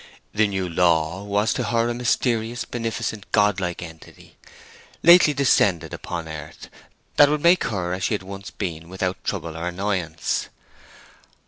The "new law" was to her a mysterious, beneficent, godlike entity, lately descended upon earth, that would make her as she once had been without trouble or annoyance.